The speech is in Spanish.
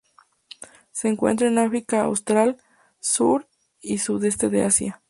Se encuentra en África austral, sur y sudeste de Asia.